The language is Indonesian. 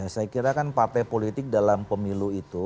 saya kira kan partai politik dalam pemilu itu